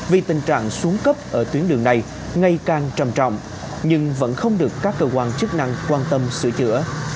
vì tình trạng xuống cấp ở tuyến đường này ngày càng trầm trọng nhưng vẫn không được các cơ quan chức năng quan tâm sửa chữa